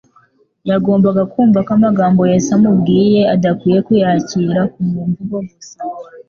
Yagombaga kumva ko amagambo Yesu amubwiye adakwinye kuyakira ku mvugo gusa.